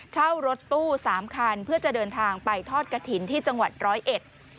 เช่ารถตู้สามคันเพื่อจะเดินทางไปทอดกระถิ่นที่จังหวัดร้อยเอ็ด